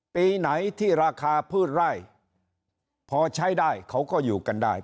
ปีไหนที่ราคาพืชไร่พอใช้ได้เขาก็อยู่กันได้